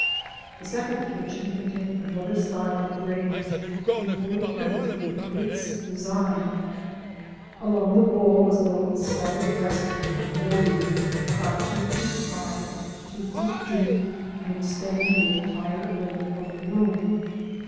The second kitchen contained another style of range equally primi tive in its design. Along the wall was built a solid breastwork of adobe, about two feet high, two feet deep, and extending the entire length of the room.